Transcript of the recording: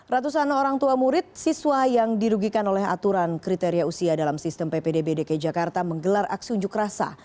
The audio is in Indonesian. ratusan orang tua murid siswa yang dirugikan oleh aturan kriteria usia dalam sistem ppdb dki jakarta menggelar aksi unjuk rasa